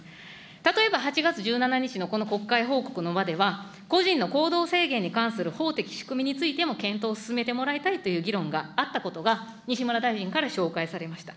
例えば８月１７日のこの国会報告の場では、個人の行動制限に関する法的仕組みについても検討を進めてもらいたいという議論があったことが、西村大臣から紹介されました。